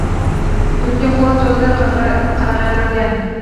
Ko’kka quloch yozgan qarag’aylarga.